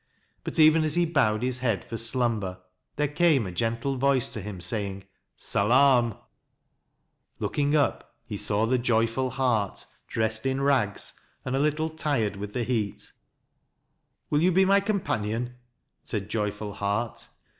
But even as he bowed his head for slumber there came a gentle voice to him, saying " Salaam !" Looking up, he saw the Joyful Heart, dressed in rags, and a little tired with the heat. " Will you be my companion?" said Joyful Heart.